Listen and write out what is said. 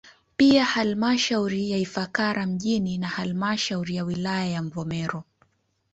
Pia halmashauri ya Ifakara mjini na halmashauri ya wilaya ya Mvomero